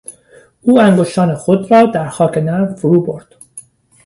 او انگشتان خود را در خاک نرم فرو برد.